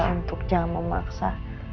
untuk jangan memaksa